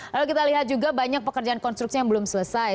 lalu kita lihat juga banyak pekerjaan konstruksi yang belum selesai